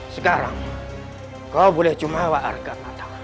sekarang kau boleh cuma wakar arkanata